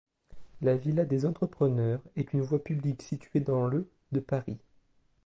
La villa des Entrepreneurs est une voie publique située dans le de Paris.